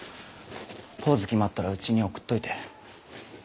ポーズ決まったらうちに送っといて。